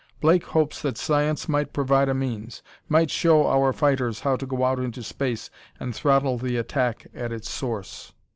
Blake hopes that science might provide a means; might show our fighters how to go out into space and throttle the attack at its source.